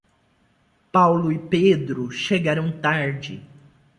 Paulo e Pedro chegaram tarde.